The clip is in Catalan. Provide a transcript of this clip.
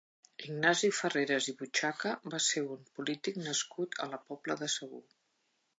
Ignasi Farreres i Bochaca va ser un polític nascut a la Pobla de Segur.